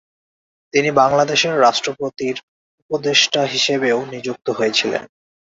তিনি বাংলাদেশের রাষ্ট্রপতির উপদেষ্টা হিসেবেও নিযুক্ত হয়েছিলেন।